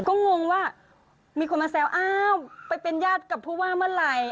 ก็งงว่ามีคนมาแซวอ้าวไปเป็นญาติกับผู้ว่าเมื่อไหร่